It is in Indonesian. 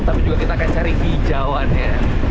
tapi juga kita akan cari hijauannya